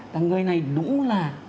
là người này đúng là